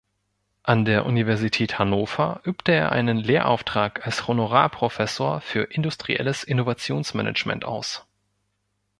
An der Universität Hannover übte er einen Lehrauftrag als Honorarprofessor für industrielles Innovationsmanagement aus.